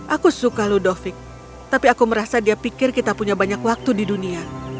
aku suka ludovic tapi aku merasa dia pikir kita punya banyak waktu di dunia